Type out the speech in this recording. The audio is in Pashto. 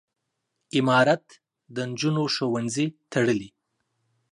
امارت د نجونو ښوونځي تړلي.